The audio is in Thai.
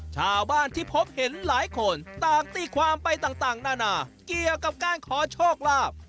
ชาวบ้านที่พบเห็นหลายคนต่างตีความไปต่างนานาเกี่ยวกับการขอโชคลาภ